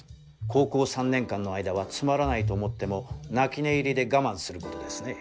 高校３年間の間はつまらないと思っても泣き寝入りで我慢することですね。